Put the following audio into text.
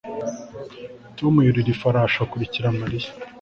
Tom yurira ifarashi akurikira Mariya